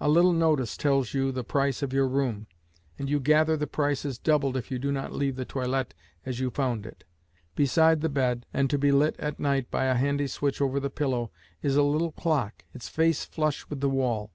A little notice tells you the price of your room, and you gather the price is doubled if you do not leave the toilette as you found it. Beside the bed, and to be lit at night by a handy switch over the pillow, is a little clock, its face flush with the wall.